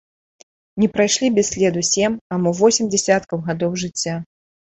Не прайшлі без следу сем, а мо восем дзесяткаў гадоў жыцця.